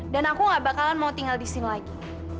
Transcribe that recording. dan aku nggak bakalan mau tinggal di sini lagi